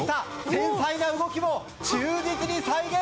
繊細な動きも忠実に再現。